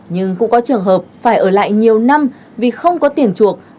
nhưng cũng có trường hợp phải ở lại nhiều năm vì không có tiền chuộc